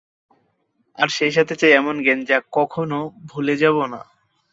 আর সেইসাথে চাই এমন জ্ঞান যা কখনও ভুলে যাবোনা।